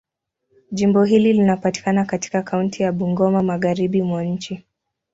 Jimbo hili linapatikana katika kaunti ya Bungoma, Magharibi mwa nchi.